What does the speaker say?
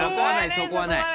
そこはない。